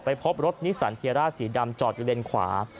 พบรถนิสันเทียร่าสีดำจอดอยู่เลนขวา